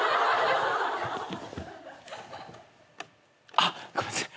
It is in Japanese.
あっごめんなさい。